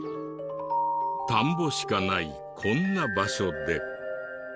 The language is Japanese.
田んぼしかないこんな場所で。